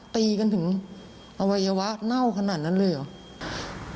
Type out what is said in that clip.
ตีกันถึงอวัยวะเน่าขนาดนั้นเลยเหรอ